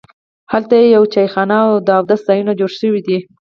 هلته یوه چایخانه او د اودس ځایونه جوړ شوي دي.